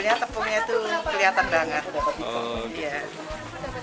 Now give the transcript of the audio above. hai lebih apa ya lebih original